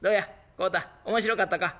孝太面白かったか？」。